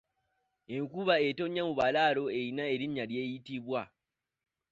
Enkuba etonnya mu balaalo erina erinnya ly’eyitibwa.